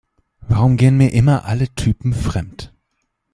Warum gehen mir immer alle Typen fremd?